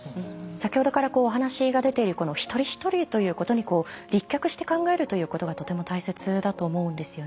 先ほどからお話が出ている一人一人ということに立脚して考えるということがとても大切だと思うんですよね。